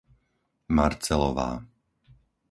Marcelová